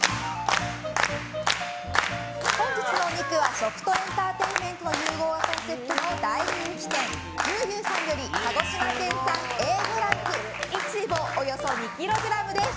本日のお肉は、食とエンターテインメントの融合がコンセプトの大人気店牛牛さんより鹿児島県産、Ａ５ランクイチボおよそ２ｋｇです。